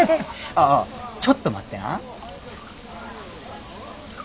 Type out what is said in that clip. ああちょっと待ってな。